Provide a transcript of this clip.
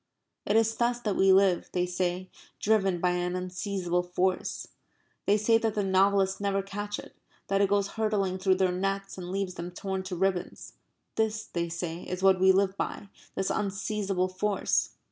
It is thus that we live, they say, driven by an unseizable force. They say that the novelists never catch it; that it goes hurtling through their nets and leaves them torn to ribbons. This, they say, is what we live by this unseizable force.